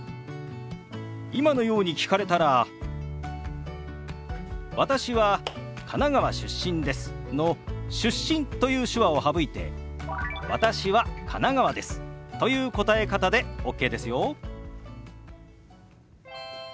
今のように聞かれたら「私は神奈川出身です」の「出身」という手話を省いて「私は神奈川です」という答え方でＯＫですよ。